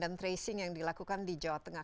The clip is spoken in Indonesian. dan tracing yang dilakukan di jawa tengah